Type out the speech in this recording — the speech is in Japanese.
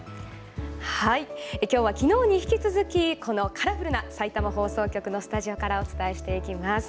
きょうはきのうに引き続きこのカラフルなさいたま放送局のスタジオからお伝えしていきます。